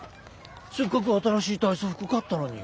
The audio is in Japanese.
せっかく新しい体操服買ったのに。